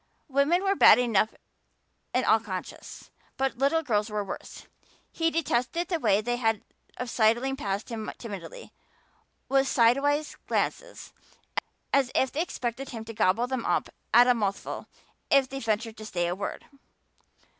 Women were bad enough in all conscience, but little girls were worse. He detested the way they had of sidling past him timidly, with sidewise glances, as if they expected him to gobble them up at a mouthful if they ventured to say a word.